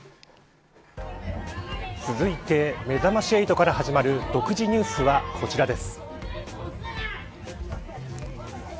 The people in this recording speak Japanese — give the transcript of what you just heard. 続いて、めざまし８から始まる独自ニュースはこちらです。